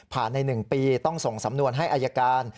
ผ่านในหนึ่งปีต้องส่งสำนวนให้อายการ